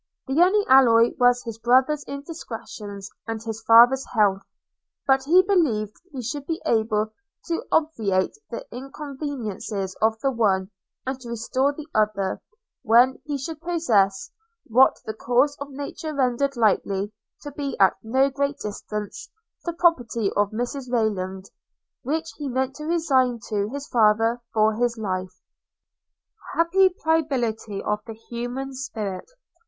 The only alloy was his brother's indiscretions and his father's health; but he believed he should be able to obviate the inconveniencies of the one, and to restore the other, when he should possess, what the course of nature rendered likely to be at no great distance, the property of Mrs Rayland, which he meant to resign to his father for his life. 'Happy pliability of the human spirit!'